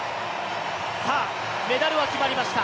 さあ、メダルは決まりました。